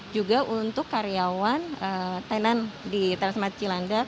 juga untuk karyawan tenan di transmarcilandak